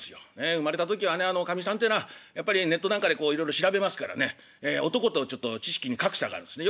生まれた時はねおかみさんてのはやっぱりネットなんかでいろいろ調べますからね男とちょっと知識に格差があるんですね。